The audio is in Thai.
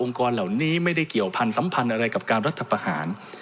กรเหล่านี้ไม่ได้เกี่ยวพันธ์สัมพันธ์อะไรกับการรัฐประหาร